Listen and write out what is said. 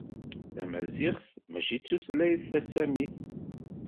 Tamaziɣt mačči d tutlayt tasamit.